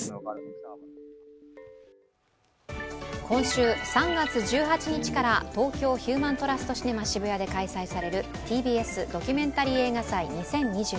今週３月１８日から東京・ヒューマントラストシネマ渋谷で開催されるＴＢＳドキュメンタリー映画祭２０２２。